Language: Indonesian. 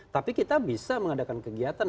tapi kita bisa mengadakan kegiatan